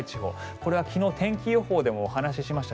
これは昨日天気予報でもお話ししました